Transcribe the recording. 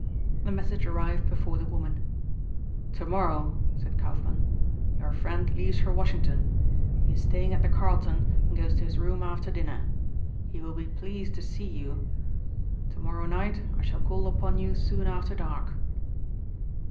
The message arrived before the woman. "To morrow," said Kaufmann, "your friend leaves for Washington. He is staying at the Carlton and goes to his room after dinner. He will be pleased to see you. To morrow night I shall call upon you soon after dark."